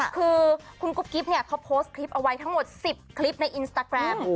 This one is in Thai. คือคุณกุ๊กกิ๊บเนี่ยเขาโพสต์คลิปเอาไว้ทั้งหมด๑๐คลิปในอินสตาแกรม